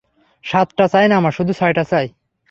সাতটা চাই না আমার, শুধু ছয়টা চাই!